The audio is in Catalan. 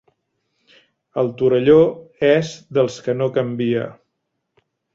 El Torelló és dels que no canvia.